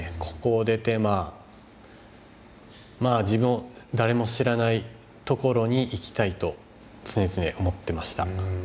ここを出てまあ自分を誰も知らない所に行きたいと常々思ってました。